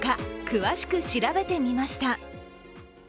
詳しく調べてみました。